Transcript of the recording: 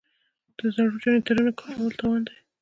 د زړو جنراتورونو کارول تاوان دی.